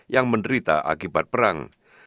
yang menderita akibat perang